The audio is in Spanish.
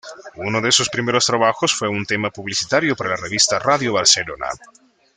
Uno de sus primeros trabajos fue un tema publicitario para la revista "Radio Barcelona".